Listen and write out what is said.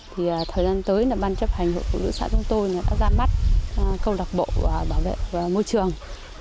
thời gian tới ban chấp hành hội phụ nữ xã trung tôn đã ra mắt câu đặc bộ bảo vệ môi trường